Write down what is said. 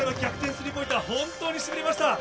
スリーポイントは本当にしびれました。